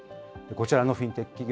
こちらのフィンテック